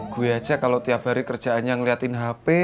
gue aja kalau tiap hari kerjaannya ngeliatin hp